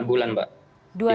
kurang lebih dua tahun ya